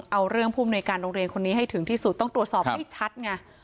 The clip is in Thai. เอาเรื่องผู้มนุยการโรงเรียนคนนี้ให้ถึงที่สุดต้องตรวจสอบให้ชัดไง